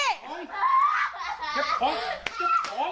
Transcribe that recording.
เจ็บของ